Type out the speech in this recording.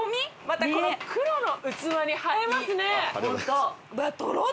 またこの黒の器に映えますね。